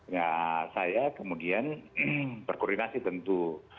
ya saya kemudian berkoordinasi tentu